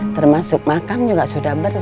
termasuk makam juga sudah